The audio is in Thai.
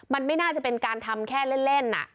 มันไม่น่าจะเป็นการทำแค่เล่น